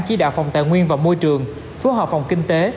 chỉ đạo phòng tài nguyên và môi trường phù hợp phòng kinh tế